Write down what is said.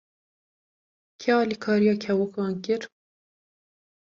Kê alîkariya kevokan kir?